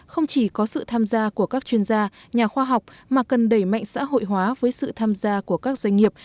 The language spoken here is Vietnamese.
không chỉ có sự tham gia của các chuyên gia nhà khoa học mà cần đẩy mạnh xã hội hóa với sự tham gia của các doanh nghiệp